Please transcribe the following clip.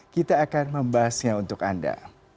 kita akan membahasnya untuk anda